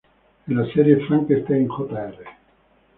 En la serie "Frankenstein Jr.